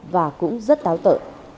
và cũng rất táo tợ